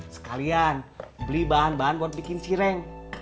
sekalian beli bahan bahan buat bikin cireng